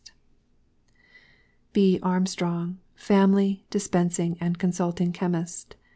B. ARMSTRONG, FAMILY, DISPENSING & CONSULTING CHEMIST.